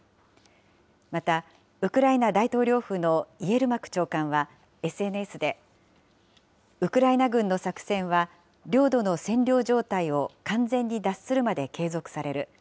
また、ウクライナ大統領府のイエルマク長官はＳＮＳで、ウクライナ軍の作戦は、領土の占領状態を完全に脱するまで継続される。